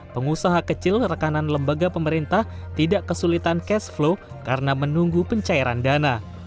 pengusaha kecil rekanan lembaga pemerintah tidak kesulitan cash flow karena menunggu pencairan dana